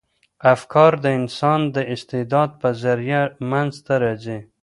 افکار د انسان د استعداد په ذریعه منځ ته راځي.